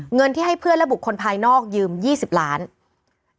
เงินที่ให้เพื่อนและบุคคลภายนอกยืม๒๐ล้านบาท